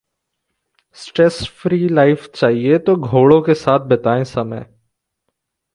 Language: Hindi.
स्ट्रेस फ्री लाइफ चाहिए तो घोड़ों के साथ बिताएं समय